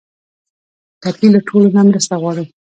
ټپي له ټولو نه مرسته غواړي.